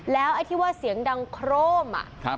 แล้วไอ้ที่ว่าเสียงดังโครม